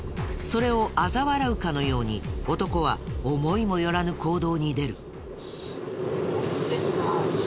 それをあざ笑うかのように男は思いも寄らぬ行動に出る。